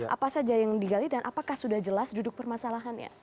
apa saja yang digali dan apakah sudah jelas duduk permasalahannya